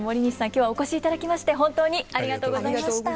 今日はお越しいただきまして本当にありがとうございました。